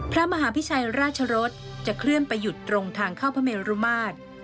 พระมหาพิชัยราชรสจะเคลื่อนไปหยุดตรงทางเข้าพระเมรุมาตร